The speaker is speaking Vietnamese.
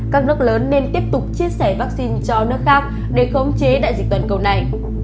các nước lớn nên tiếp tục chia sẻ vaccine cho nước khác để khống chế đại dịch toàn cầu này